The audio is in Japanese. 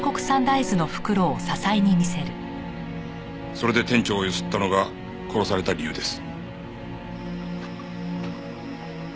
それで店長をゆすったのが殺された理由です。